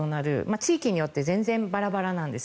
地域によって全然バラバラなんです。